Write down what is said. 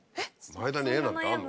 前田に「え？」なんてあるの？